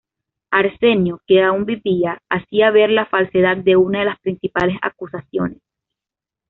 Arsenio, que aún vivía, hacía ver la falsedad de una de las principales acusaciones.